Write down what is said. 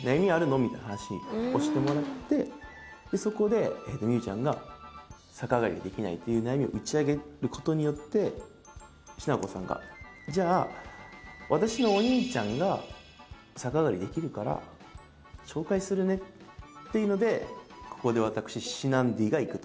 みたいな話をしてもらってそこでみうちゃんが。っていう悩みを打ち明ける事によってしなこさんが「じゃあ私のお兄ちゃんが逆上がりできるから紹介するね」っていうのでここで私シナンディーが行くと。